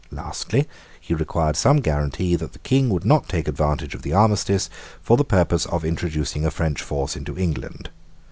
Lastly, he required some guarantee that the King would not take advantage of the armistice for the purpose of introducing a French force into England.